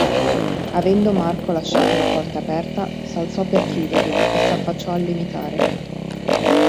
Avendo Marco lasciato la porta aperta, s'alzò per chiuderla e s'affacciò al limitare.